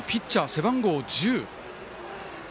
背番号１０